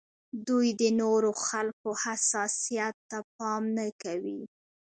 دوی د نورو خلکو حساسیت ته پام نه کوي.